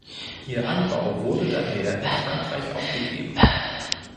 Ihr Anbau wurde daher in Frankreich aufgegeben.